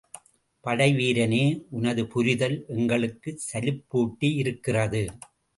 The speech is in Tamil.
படைவீரனே, உனது புரிதல் எங்களுக்குச் சலிப்பூட்டியிருக்கிறது.